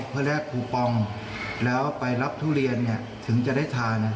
เพื่อที่แอบแล้วไปรับทุเรียนเนี่ยถึงจะได้ทานอ่ะ